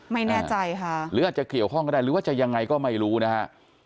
ไม่แน่ใจค่ะหรืออาจจะเกี่ยวข้องก็ได้หรือว่าจะยังไงก็ไม่รู้นะฮะ